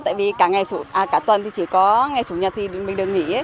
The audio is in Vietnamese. tại vì cả tuần thì chỉ có ngày chủ nhật thì mình được nghỉ